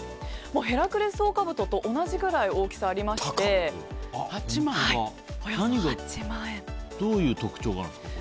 ヘラクレスオオカブトと同じぐらい大きさがありましてどういう特徴があるんですか。